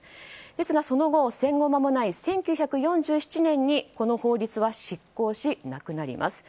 ですがその後戦後まもない１９４７年にこの法律は失効し、なくなります。